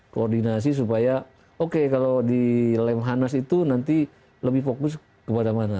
koordinasi supaya oke kalau di lemhanas itu nanti lebih fokus kepada mana